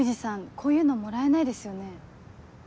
こういうのもらえないですよね？